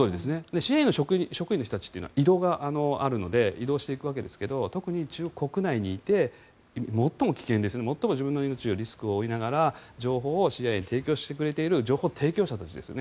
ＣＩＡの職員の人たちは異動があるので異動していくわけですが特に中国国内にいて最も危険ですよね自分のリスクを負いながら情報をＣＩＡに提供してくれている情報提供者としてですよね。